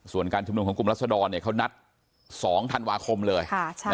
ส่วนการชุมนุมของกลุ่มรัศดรเขานัด๒ธันวาคมเลย